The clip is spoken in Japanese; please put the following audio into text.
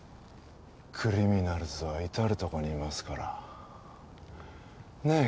クリミナルズは至るとこにいますからねえ